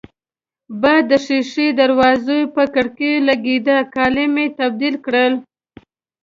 باد د شېشه يي دروازو پر کړکېو لګېده، کالي مې تبدیل کړل.